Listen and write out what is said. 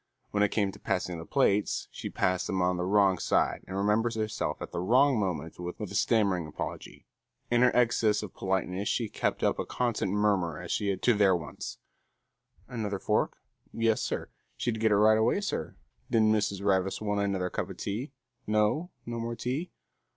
When it came to passing the plates, she passed them on the wrong side and remembered herself at the wrong moment with a stammering apology. In her excess of politeness she kept up a constant murmur as she attended to their wants. Another fork? Yes, sir. She'd get it right away, sir. Did Mrs. Ravis want another cuppa tea? No? No more tea?